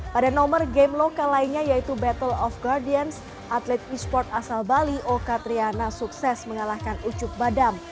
pada nomor game lokal lainnya yaitu battle of guardians atlet e sport asal bali oka triana sukses mengalahkan ucuk badam